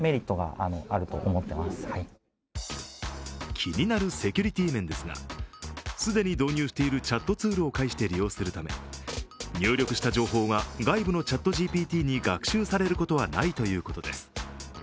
気になるセキュリティー面ですが、既に導入しているチャットツールを介して利用するため入力した情報が外部のＣｈａｔＧＰＴに学習されることはないということです。